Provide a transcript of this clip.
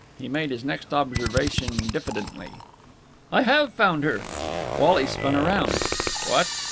He made his next observation diffidently. "I have found her!" Wally spun round. "What!"